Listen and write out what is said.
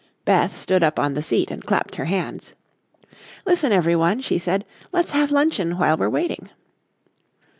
Beth stood up on the seat and clapped her hands. "Listen, everyone," she said, "let's have luncheon while we're waiting."